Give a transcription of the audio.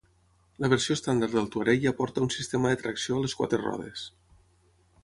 La versió estàndard del Touareg ja porta un sistema de tracció a les quatre rodes.